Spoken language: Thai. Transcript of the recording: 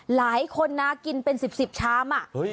หลายคนน่ะกินเป็นสิบสิบช้ามอ่ะเฮ้ย